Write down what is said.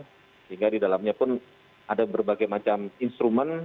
sehingga di dalamnya pun ada berbagai macam instrumen